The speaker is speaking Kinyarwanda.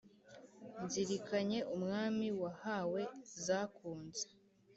nzirikanye umwami wahawe zakunze,